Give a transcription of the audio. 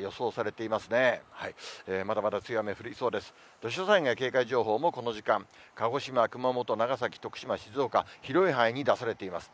土砂災害警戒情報も、この時間、鹿児島、熊本、長崎、徳島、静岡、広い範囲に出されています。